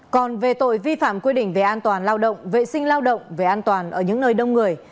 còn về tội vi phạm quy định về an toàn lao động vệ sinh lao động về an toàn ở những nơi đông người